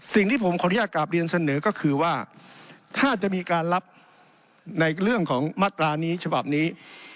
สิ่งที่ผมขออนุญาตกลับเรียนเสนอก็คือว่าถ้าจะมีการรับในเรื่องของมาตรานี้ฉบับนี้